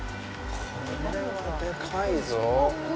これはでかいぞ。